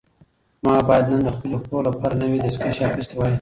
ما باید نن د خپلې خور لپاره نوي دستکشې اخیستې وای.